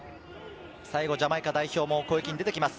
最後、ジャマイカ代表も攻撃に出てきます。